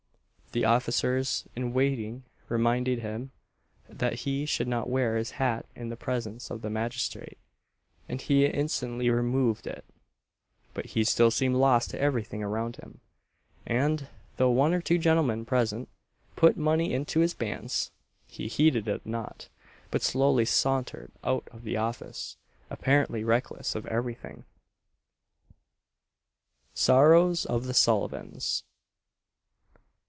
The officers in waiting reminded him that he should not wear his hat in the presence of the magistrate, and he instantly removed it; but he still seemed lost to every thing around him, and, though one or two gentlemen present put money into his bands, he heeded it not, but slowly sauntered out of the office, apparently reckless of every thing. SORROWS OF THE SULLIVANS.